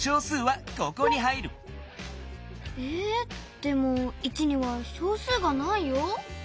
でも１には小数がないよ。